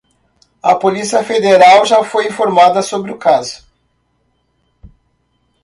A polícia federal já foi informada sobre o caso